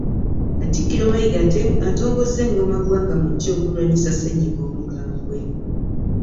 Katikkiro Mayiga atongozza engoma ggwangamujje okulwanyisa ssenyiga omukambwe.